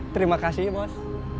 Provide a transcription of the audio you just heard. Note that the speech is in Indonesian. terima kasih bos